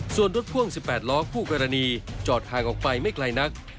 ส่วนรถพ่วง๑๘ล้อคู่กรณีจอดห่างออกไปไม่ไกลนัก